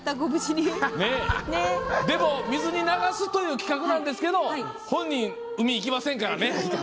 でも、水に流すという企画なんですけれども本人、海行きませんからね。